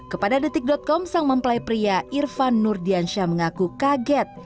kepada detik com sang mempelai pria irfan nurdiansyah mengaku kaget